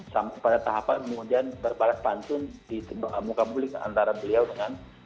sampai pada tahapan kemudian berpala pala pantun di muka buli antara beliau dengan